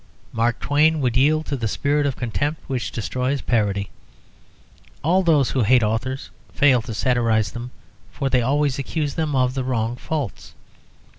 Mark Twain would yield to the spirit of contempt which destroys parody. All those who hate authors fail to satirise them, for they always accuse them of the wrong faults.